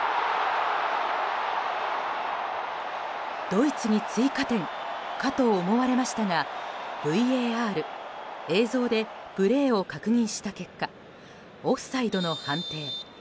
ドイツに追加点かと思われましたがＶＡＲ映像でプレーを確認した結果オフサイドの判定。